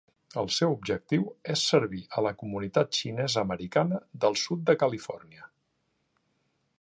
El seu objectiu és servir a la comunitat xinesa-americana del Sud de Califòrnia.